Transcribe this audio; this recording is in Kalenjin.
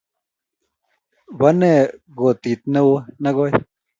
bonee kote nekoii